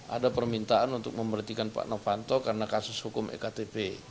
ada permintaan untuk memerhentikan pak novanto karena kasus hukum ektp